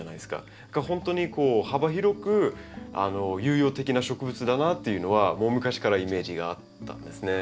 ほんとにこう幅広く有用的な植物だなっていうのはもう昔からイメージがあったんですね。